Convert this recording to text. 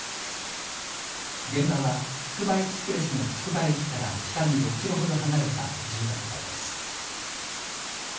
現場はつくばエクスプレスのつくば駅から北に６キロほど離れた住宅街です。